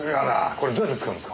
これどうやって使うんですか？